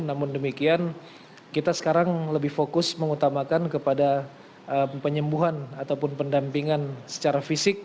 namun demikian kita sekarang lebih fokus mengutamakan kepada penyembuhan ataupun pendampingan secara fisik